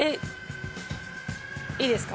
いいですか？